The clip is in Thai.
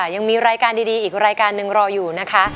ยังมีรายการดีอีกรายการหนึ่งรออยู่นะคะ